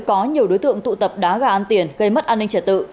có nhiều đối tượng tụ tập đá gà ăn tiền gây mất an ninh trật tự